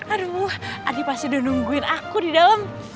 aduh adi pasti udah nungguin aku di dalam